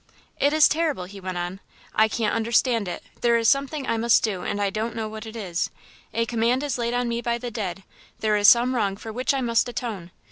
"It is terrible," he went on. "I can't understand it. There is something I must do, and I don't know what it is. A command is laid on me by the dead there is some wrong for which I must atone.